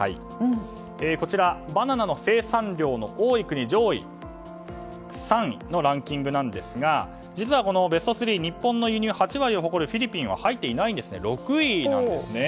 こちらバナナの生産量の多い国上位３位のランキングなんですが実は、このベスト３日本の輸入８割を誇るフィリピンは入っていなくて６位なんですね。